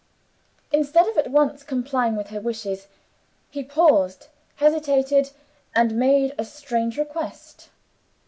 Instead of at once complying with her wishes, he paused hesitated and made a strange request.